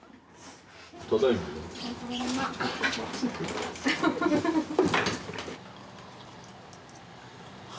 ただいまは？